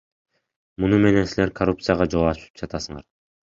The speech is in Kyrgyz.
Муну менен силер коррупцияга жол ачып жатасыңар.